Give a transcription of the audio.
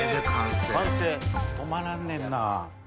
止まらんねんな。